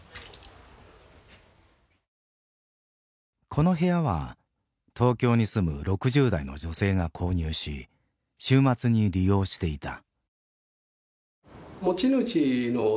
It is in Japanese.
この部屋は東京に住む６０代の女性が購入し週末に利用していた。